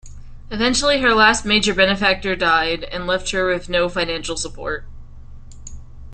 Eventually, her last major benefactor died and left her with no financial support.